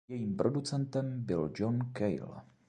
Jejím producentem byl John Cale.